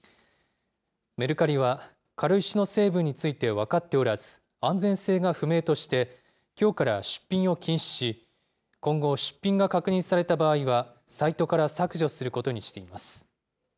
メルカリは、軽石の成分について分かっておらず、安全性が不明として、きょうから出品を禁止し、今後、出品が確認された場合は、サイトから削除することにしています。